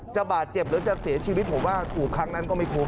จะบาดเจ็บหรือจะเสียชีวิตผมว่าถูกครั้งนั้นก็ไม่คุ้ม